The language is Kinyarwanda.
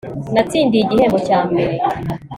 natsindiye igihembo cya mbere